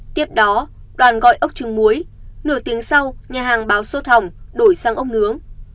tiếp đó đoàn gọi ốc trứng muối nửa tiếng sau nhà hàng báo sốt hỏng đổi sang ốc nướng